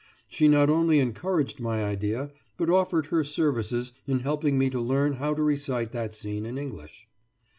She not only encouraged my idea, but offered her services in helping me to learn how to recite that scene in English.